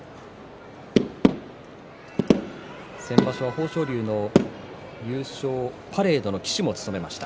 先場所の豊昇龍の優勝パレードの旗手も務めました。